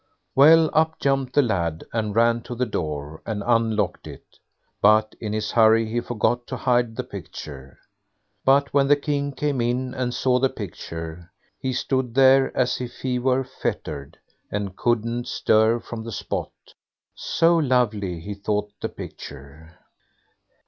Well, up jumped the lad and ran to the door, and unlocked it, but in his hurry he forgot to hide the picture. But when the King came in and saw the picture, he stood there as if he were fettered, and couldn't stir from the spot, so lovely he thought the picture.